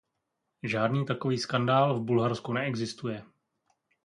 Žádný takový skandál v Bulharsku neexistuje.